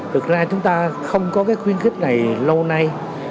thực ra chúng ta không có cái khuyến khích này lâu nay